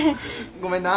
ごめんな？